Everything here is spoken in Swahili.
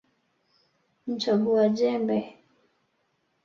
Mchagua jembe